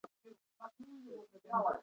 بوتل د اوبو د خرڅلاو یوه وسیله ده.